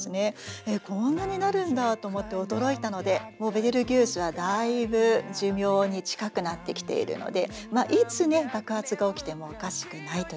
こんなになるんだと思って驚いたのでもうベテルギウスはだいぶ寿命に近くなってきているのでいつね爆発が起きてもおかしくないといわれています。